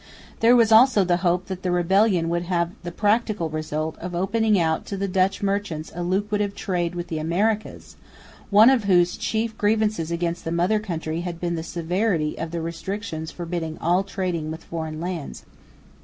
There was also the hope that the rebellion would have the practical result of opening out to the Dutch merchants a lucrative trade with the Americans, one of whose chief grievances against the mother country had been the severity of the restrictions forbidding all trading with foreign lands.